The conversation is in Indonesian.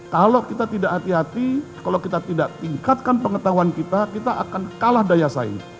kalau kita tidak hati hati kalau kita tidak tingkatkan pengetahuan kita kita akan kalah daya saing